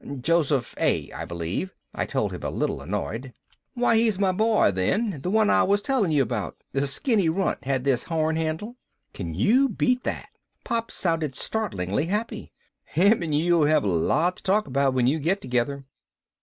"Joseph A., I believe," I told him, a little annoyed. "Why he's my boy then, the one I was telling you about the skinny runt had this horn handle! Can you beat that?" Pop sounded startlingly happy. "Him and you'll have a lot to talk about when you get together."